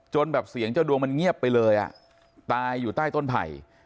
แบบเสียงเจ้าดวงมันเงียบไปเลยอ่ะตายอยู่ใต้ต้นไผ่